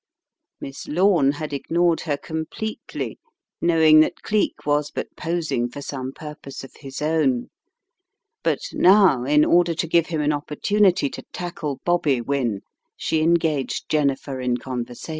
Miss Lome had ignored her completely, knowing that Cleek was but posing for some purpose of his own, but now, in order to give him an opportunity to tackle Bobby Wynne, she engaged Jennifer in con versation.